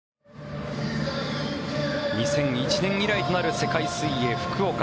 ２００１年以来となる世界水泳福岡。